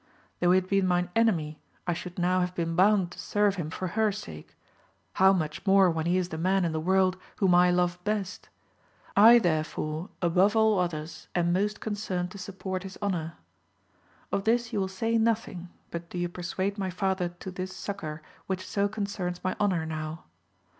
Though he had been my enemy I should now have been bound to serve him for her sake, how much more when he is the man in the world whom I love best ! I therefore, above all others am most concerned to support his honour. Of this you will say nothing, but do you persuade my father to this succour which so concerns my honour now.